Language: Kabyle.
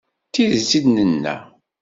D tidet i d-nenna.